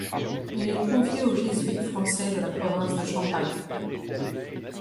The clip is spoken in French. Il est confié aux jésuites français de la Province de Champagne.